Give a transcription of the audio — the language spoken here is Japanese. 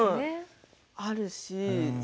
あるし。